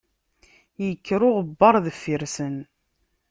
Ikker uɣebbaṛ deffir-sen.